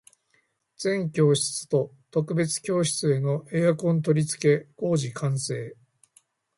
全教室と特別教室へのエアコン取り付け工事完成